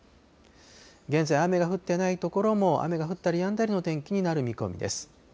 現在、雨が降ってない所も雨が降ったりやんだりの天気になる見込みです。